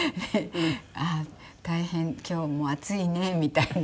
「大変今日も暑いね」みたいな。